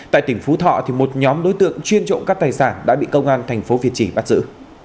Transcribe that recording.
tại tỉnh phú thọ một nhóm đối tượng chuyên trộm các tài sản đã bị công an thành phố việt trì bắt giữ